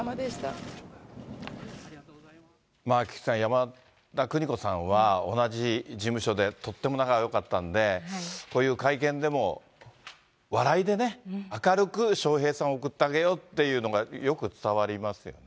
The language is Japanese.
菊池さん、山田邦子さんは、同じ事務所でとっても仲がよかったんで、こういう会見でも、笑いでね、明るく笑瓶さんを送ってあげようっていうのがよく伝わりますよね。